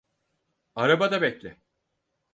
Arabada bekle.